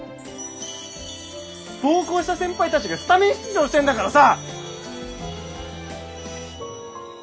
暴行した先輩たちがスタメン出場してんだからさ！